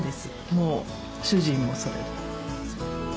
もう主人もそれで。